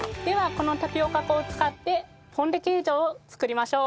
このタピオカ粉を使ってポン・デ・ケージョを作りましょう。